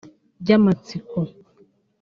By’amatsiko